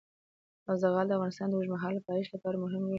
زغال د افغانستان د اوږدمهاله پایښت لپاره مهم رول لري.